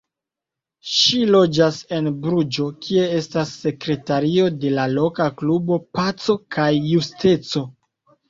Ŝi loĝas en Bruĝo, kie estas sekretario de la loka klubo Paco kaj Justeco.